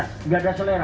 tidak ada selera